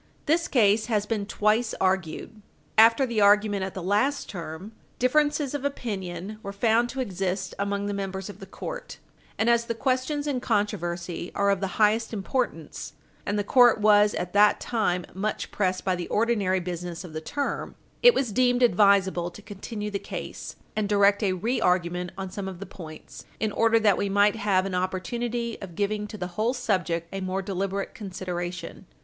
This case has been twice argued. After the argument at the last term, differences of opinion were found to exist among the members of the court, and as the questions in controversy are of the highest importance, and the court was at that time much pressed by the ordinary business of the term, it was deemed advisable to continue the case and direct a re argument on some of the points in order that we might have an opportunity of giving to the whole subject a more deliberate Page 60 U. S. 400 consideration.